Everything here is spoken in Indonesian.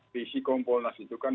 pc kampolnas itu kan